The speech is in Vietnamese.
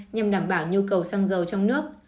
nhằm đảm bảo nhu cầu xăng dầu trong nước